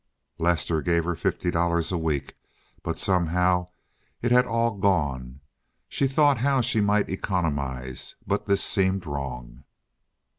Lester gave her fifty dollars a week, but somehow it had all gone. She thought how she might economize but this seemed wrong.